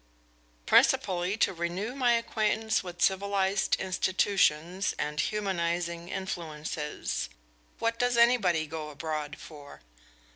"Principally to renew my acquaintance with civilized institutions and humanizing influences. What does anybody go abroad for?"